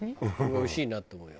おいしいなと思うよ。